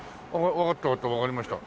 わかったわかったわかりました。